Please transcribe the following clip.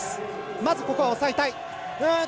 まずここは抑えたい。